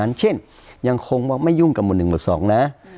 อย่างเช่นยังคงว่าไม่ยุ่งกับหมวดหนึ่งหมวดสองนะ